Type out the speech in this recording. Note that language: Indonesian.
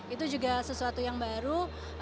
itu juga sesuatu yang baru